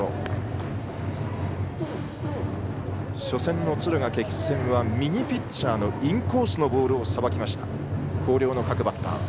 初戦の敦賀気比戦は右ピッチャーのインコースのボールをさばきました。